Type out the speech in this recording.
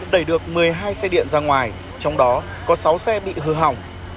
đẩy được một mươi hai xe điện ra ngoài trong đó có sáu xe bị hư hỏng